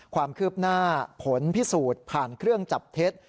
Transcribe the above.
ความคืบหน้าผลพิสูจน์ผ่านเครื่องจับเท็จ